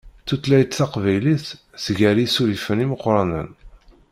Tutlayt taqbaylit tger isurifen imeqqranen.